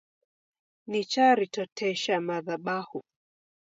Nicharitotesha madhabahu